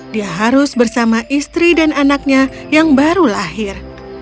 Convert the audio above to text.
dia harus bersama istri dan anaknya yang baru lahir